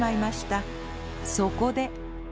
そこで。